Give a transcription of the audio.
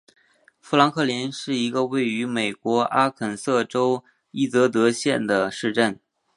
富兰克林是一个位于美国阿肯色州伊泽德县的市镇。